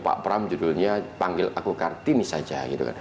pak pram judulnya panggil aku kartini saja